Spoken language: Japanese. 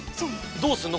どうすんの？